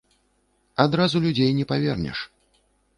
Адразу людзей не павернеш.